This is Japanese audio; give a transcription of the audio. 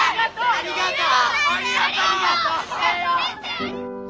ありがとう！